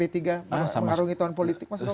mengarungi tahun politik mas romy